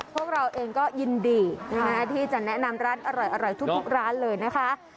พวกเราเองก็ยินดีที่จะแนะนำร้านอร่อยทุกร้านเลยนะคะ